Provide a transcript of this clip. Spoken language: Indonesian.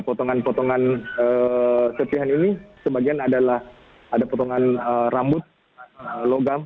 potongan potongan serpihan ini sebagian adalah ada potongan rambut logam